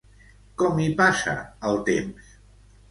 Com hi passa el temps?